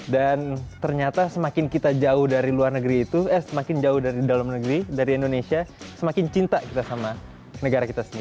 dan ternyata semakin kita jauh dari luar negeri itu eh semakin jauh dari dalam negeri dari indonesia semakin cinta kita sama negara kita sendiri